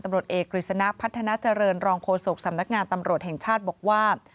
ตำรวจเอกกฤษณะพัฒนาเจริญรองโฆษกสำนักงานตำรวจแห่งชาติบอกว่า